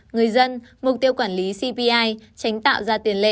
người dân mục tiêu quản lý cpi tránh tạo ra tiền lệ